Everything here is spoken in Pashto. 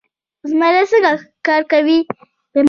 زمری څنګه ښکار کوي؟